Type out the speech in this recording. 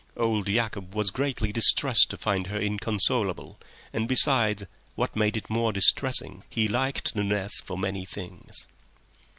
Old Yacob was greatly distressed to find her inconsolable, and, besides—what made it more distressing—he liked Nunez for many things.